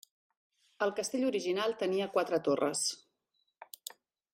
El castell original tenia quatre torres.